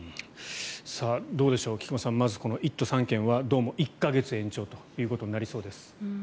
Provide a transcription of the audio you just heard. どうでしょう、菊間さん１都３県はどうも１か月延長となりそうです。